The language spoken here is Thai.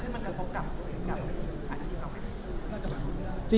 แต่คือมันกระทบกับ